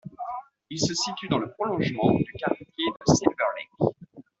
Il se situe dans le prolongement du quartier de Silver Lake.